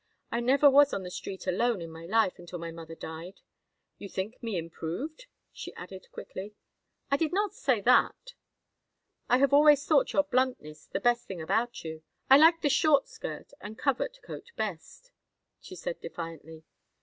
I never was on the street alone in my life until my mother died. You think me improved?" she added, quickly. "I did not say that." "I have always thought your bluntness the best thing about you—I like the short skirt and covert coat best," she said, defiantly.